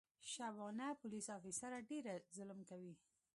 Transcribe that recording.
شبانه پولیس افیسره ډېر ظلم کوي.